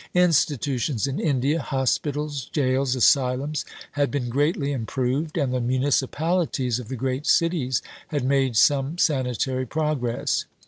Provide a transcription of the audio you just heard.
Institutions in India hospitals, jails, asylums had been greatly improved; and the municipalities of the great cities had made some sanitary progress.